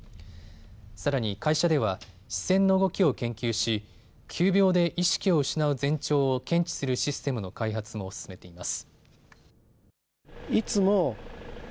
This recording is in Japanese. さらに会社では視線の動きを研究し急病で意識を失う前兆を検知するシステムの開発も進めています。